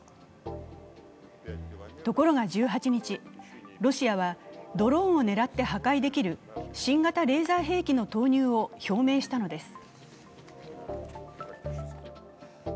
ところが１８日、ロシアはドローンを狙って破壊できる新型レーザー兵器の投入を表明したのです。